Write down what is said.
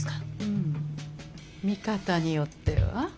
うん見方によっては。